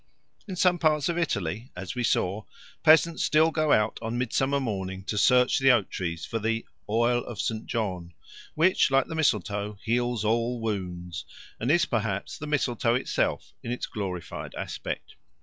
In some parts of Italy, as we saw, peasants still go out on Midsummer morning to search the oak trees for the "oil of St. John," which, like the mistletoe, heals all wounds, and is, perhaps, the mistletoe itself in its glorified aspect.